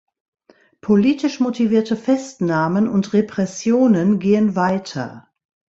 Politisch motivierte Festnahmen und Repressionen gehen weiter.